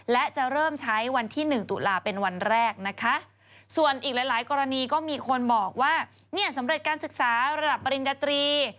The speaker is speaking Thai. และจะเริ่มใช้วันที่หนึ่งตุลาเป็นวันแรกนะคะส่วนอีกหลายหลายกรณีก็มีคนบอกว่าเนี่ยสำเร็จการศึกษาระดับปริญญาตรี